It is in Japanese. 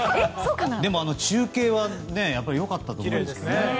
でも中継は良かったと思います。